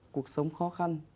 cuộc sống khó khăn